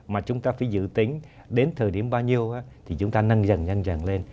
mà chúng ta phải dự tính đến thời điểm bao nhiêu thì chúng ta nâng dần dần lên